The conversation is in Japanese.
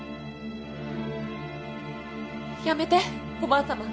やめておばあさま。